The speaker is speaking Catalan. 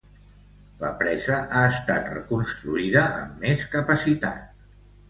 La presa ha estat reconstruïda amb més capacitat.